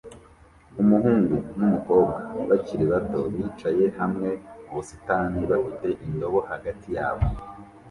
Umuhungu n'umukobwa bakiri bato bicaye hamwe mu busitani bafite indobo hagati yabo